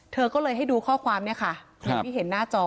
เธอก็เลยให้ดูข้อความเนี่ยค่ะอย่างที่เห็นหน้าจอ